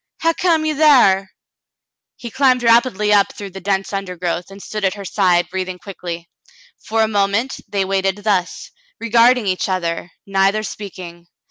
Hu' come you thar ? He climbed rapidly up through the dense undergrowth, and stood at her side, breathing quickly. For a moment they waited thus, regarding each other, neither speaking.